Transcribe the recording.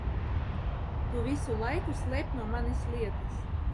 Tu visu laiku slēp no manis lietas!